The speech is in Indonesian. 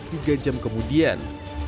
tiga jam kemudian